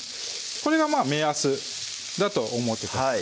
これがまぁ目安だと思ってください